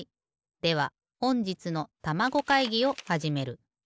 ではほんじつのたまご会議をはじめる。